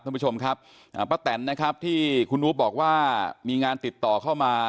ท่านผู้ชมครับป้าแตนนะครับที่คุณอุ๊บบอกว่ามีงานติดต่อเข้ามา